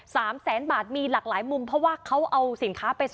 สามแสนบาทมีหลากหลายมุมเพราะว่าเขาเอาสินค้าไป